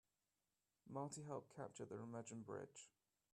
Marty helped capture the Remagen Bridge.